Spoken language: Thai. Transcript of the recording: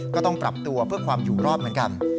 ก็ต้องปรับตัวเพื่อความอยู่รอดเหมือนกัน